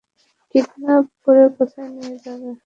Kidnap করে কোথায় নিয়ে যাবে?